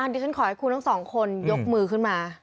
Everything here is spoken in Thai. ดิฉันขอให้คุณทั้งสองคนยกมือขึ้นมา